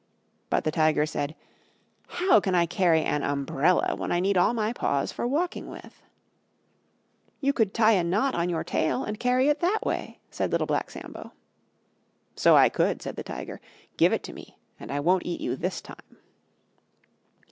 But the Tiger said, "How can I carry an umbrella when I need all my paws for walking with?" "You could tie a knot on your tail, and carry it that way," said Little Black Sambo. "So I could," said the Tiger. "Give it to me and I won't eat you this time."